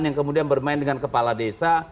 yang kemudian bermain dengan kepala desa